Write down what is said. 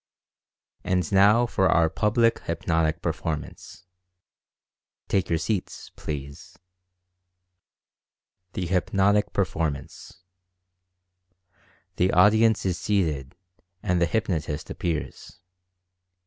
And now for our public hypnotic performance. Take your seats, please. THE HYPNOTIC PERFORMANCE. The audience is seated, and the hypnotist appears.